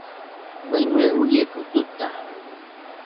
Baiñɨe uieko duta